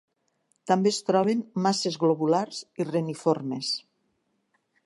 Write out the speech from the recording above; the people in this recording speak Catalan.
També es troben masses globulars i reniformes.